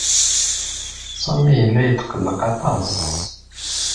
Sami yella yetqelleq aṭas.